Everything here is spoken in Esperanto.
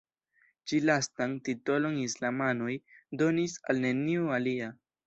Ĉi-lastan titolon islamanoj donis al neniu alia.